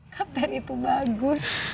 kapten itu bagus